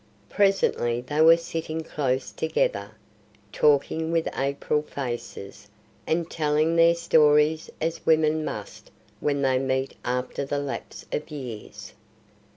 Presently they were sitting close together, talking with April faces, and telling their stories as women must when they meet after the lapse of years.